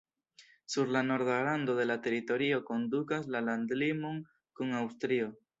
Sur la norda rando de la teritorio kondukas la landlimon kun Aŭstrio.